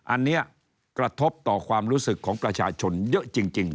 อันนี้กระทบต่อความรู้สึกของประชาชนเยอะจริง